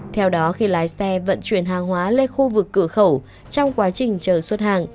theo đó khi lái xe vận chuyển hàng hóa lên khu vực cửa khẩu trong quá trình chờ xuất hàng